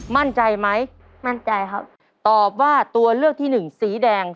มั่นใจไหมมั่นใจครับตอบว่าตัวเลือกที่หนึ่งสีแดง